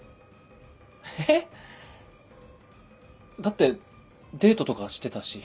⁉だってデートとかしてたし。